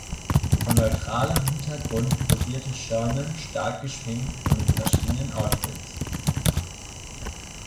Vor neutralem Hintergrund posierte Sherman stark geschminkt und in verschiedenen Outfits.